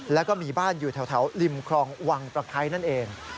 แล้วก็มีบ้านอยู่แถวริมคลองวังตะไคร้นั่นเอง